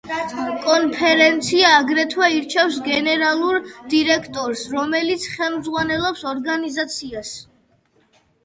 კონფერენცია აგრეთვე ირჩევს გენერალურ დირექტორს, რომელიც ხელმძღვანელობს ორგანიზაციას.